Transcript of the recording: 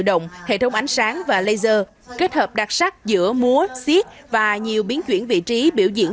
động hệ thống ánh sáng và laser kết hợp đặc sắc giữa múa siết và nhiều biến chuyển vị trí biểu diễn